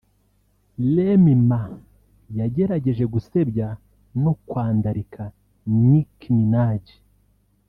Remy Ma yagerageje gusebya no kwandarika Nicki Minaj